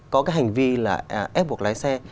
có cái hành vi là ép buộc lái xe